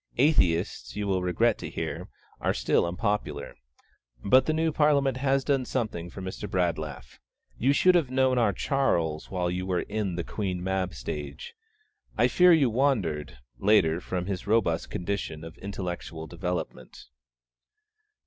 Atheists, you will regret to hear, are still unpopular; but the new Parliament has done something for Mr. Bradlaugh. You should have known our Charles while you were in the 'Queen Mab' stage. I fear you wandered, later, from his robust condition of intellectual development.